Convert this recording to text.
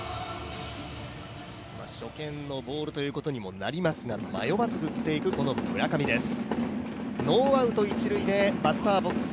初見のボールにもなりますが、迷わず振っていく村上です。